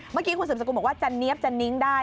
เมื่อกี้คุณสืบสกุลบอกว่าจะเนี๊ยบจะนิ้งได้